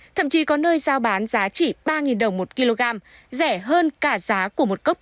thậm chí có nơi giao bán giá chỉ ba đồng một kg rẻ hơn cả giá của một cốc